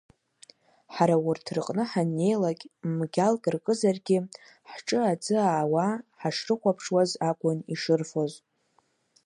Ҳара урҭ рыҟны ҳаннеилак, мгьалк ркызаргьы, ҳҿы аӡы аауа ҳашрыхәаԥшуаз акәын ишырфоз.